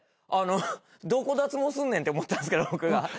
あのどこ脱毛すんねんって思ったんですけど僕が。